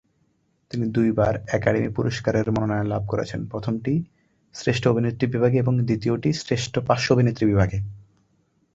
তিনি দুইবার একাডেমি পুরস্কারের মনোনয়ন লাভ করেছেন, প্রথমটি শ্রেষ্ঠ অভিনেত্রী বিভাগে এবং দ্বিতীয়টি শ্রেষ্ঠ পার্শ্ব অভিনেত্রী বিভাগে।